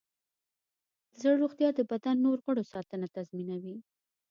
د زړه روغتیا د بدن د نور غړو ساتنه تضمینوي.